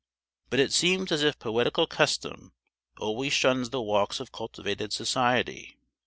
But it seems as if poetical custom always shuns the walks of cultivated society.